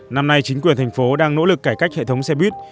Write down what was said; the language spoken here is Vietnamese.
năm nay chính quyền thành phố đang nỗ lực cải cách hệ thống xe buýt